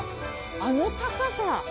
あの高さ！